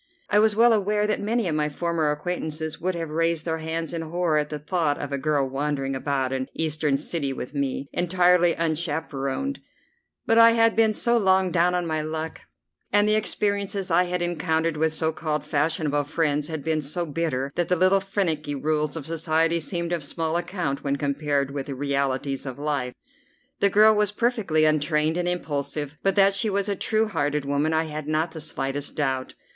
I was well aware that many of my former acquaintances would have raised their hands in horror at the thought of a girl wandering about an Eastern city with me, entirely unchaperoned; but I had been so long down on my luck, and the experiences I had encountered with so called fashionable friends had been so bitter, that the little finicky rules of society seemed of small account when compared with the realities of life. The girl was perfectly untrained and impulsive, but that she was a true hearted woman I had not the slightest doubt.